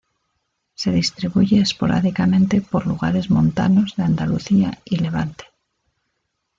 Se distribuye esporádicamente por lugares montanos de Andalucía y Levante.